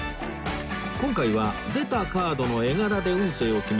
今回は出たカードの絵柄で運勢を決める